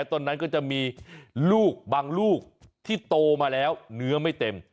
ต้นนั้นก็จะมีลูกบางลูกที่โตมาแล้วเนื้อไม่เต็ม